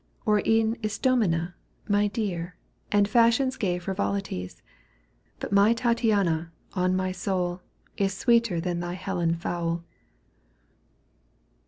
Or e'en Ist6mina, my dear. And fashion's gay frivolities ; But my Tattiana, on my soul. Is sweeter than thy Helen foul.